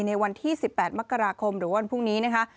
ในวันที่๑๘มกราคมหรือวันพรุ่งนี้นะคะ